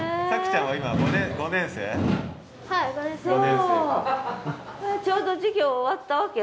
ちょうど授業終わったわけ？